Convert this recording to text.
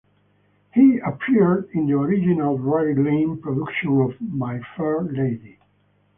He appeared in the original Drury Lane production of "My Fair Lady".